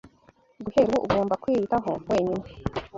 Guhera ubu, ugomba kwiyitaho wenyine